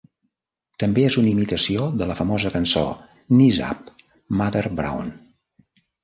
També és una imitació de la famosa cançó "Knees Up Mother Brown".